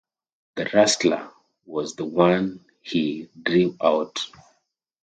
"The Rustler" was the one he drew out.